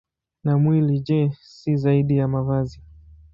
Na mwili, je, si zaidi ya mavazi?